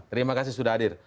terima kasih sudah hadir